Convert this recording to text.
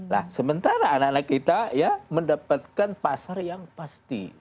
nah sementara anak anak kita ya mendapatkan pasar yang pasti